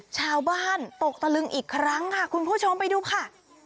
ชาวบ้านตกตะลึงอีกครั้งค่ะคุณผู้ชมไปดูค่ะ